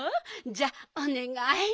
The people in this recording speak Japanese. じゃあおねがい。